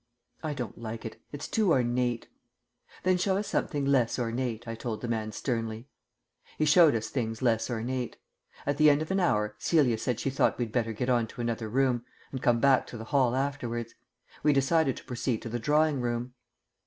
"I don't like it. It's too ornate." "Then show us something less ornate," I told the man sternly. He showed us things less ornate. At the end of an hour Celia said she thought we'd better get on to another room, and come back to the hall afterwards. We decided to proceed to the drawing room.